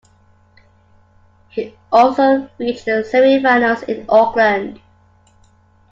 He also reached the semifinals in Auckland.